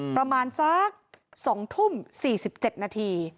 ประมาณสัก๒ทุ่ม๔๗นาที